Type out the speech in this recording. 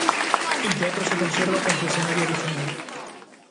El teatro se conserva con su escenario original.